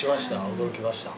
驚きました。